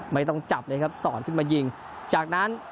ไม่ต้องจับเลยครับสอนขึ้นมายิงจากนั้น